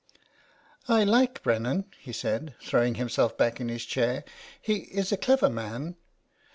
" I like Brennan," he said, throwing himself back in his chair. '' He is a clever man.